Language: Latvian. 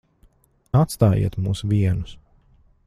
Atstājiet mūs vienus.